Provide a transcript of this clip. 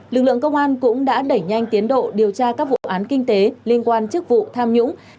lực lượng công an cũng đã đẩy nhanh tiến độ điều tra các vụ án kinh tế liên quan chức vụ tham nhũng